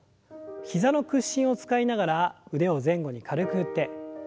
膝の屈伸を使いながら腕を前後に軽く振って。